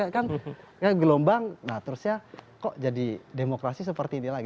kan gelombang nah terusnya kok jadi demokrasi seperti ini lagi